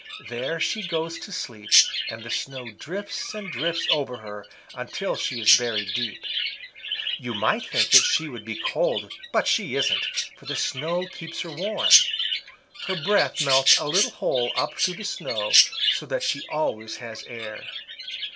There she goes to sleep, and the snow drifts and drifts over her until she is buried deep. You might think she would be cold, but she isn't, for the snow keeps her warm. Her breath melts a little hole up through the snow, so that she always has air.